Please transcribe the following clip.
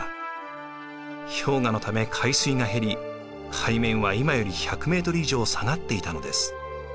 氷河のため海水が減り海面は今より１００ｍ以上下がっていたのです。